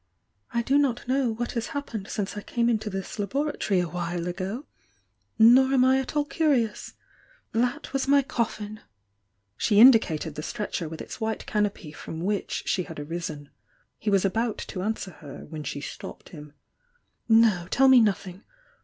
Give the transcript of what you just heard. I do not know what has happened since I came into this laboratory a while ago — nor am I at all curious, —was that my coflSn!" She indicated the stretcher with its white canopy from which she had arisen. He waa about to an swer her, when she stopped him. "No, tell me nothing!